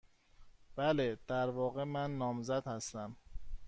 بله. در واقع، من نامزد هستم.